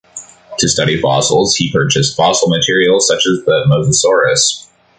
To study fossils, he purchased fossil material such as the "Mosasaurus".